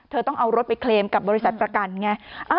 เธอต้องเอารถไปเคลมกับบริษัทประกันไง